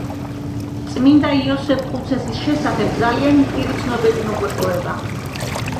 წმინდა იოსებ ხუცესის შესახებ ძალიან მწირი ცნობები მოგვეპოვება.